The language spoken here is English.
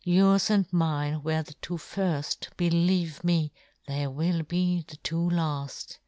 Yours and mine " were the two firft, believe me, they " will be the two laft.